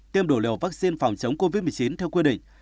tiêm đủ liều vaccine phòng chống covid một mươi chín theo quy định